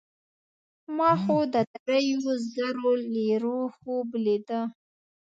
ما خو د دریو زرو لیرو خوب لیده.